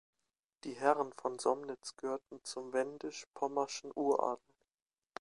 Die Herren von Somnitz gehörten zum wendisch-pommerschen Uradel.